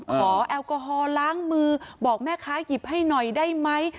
แอลกอฮอลล้างมือบอกแม่ค้าหยิบให้หน่อยได้ไหม